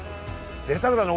ぜいたくだね